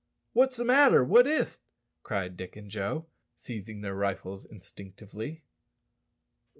"What's the matter? what is't?" cried Dick and Joe, seizing their rifles instinctively.